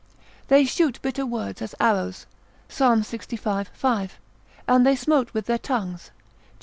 They shoot bitter words as arrows, Psal. lxiv. 5. And they smote with their tongues, Jer.